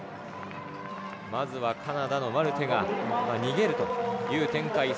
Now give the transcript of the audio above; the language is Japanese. まずはカナダのマルテが逃げるという展開